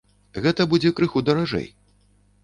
Гэта будзе крыху даражэй.